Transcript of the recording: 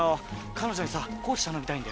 彼女にさコーチ頼みたいんだよ。